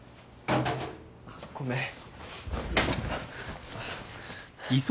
あっごめん。